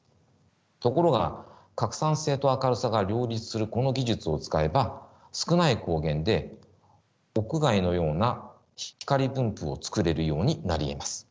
ところが拡散性と明るさが両立するこの技術を使えば少ない光源で屋外のような光分布を作れるようになりえます。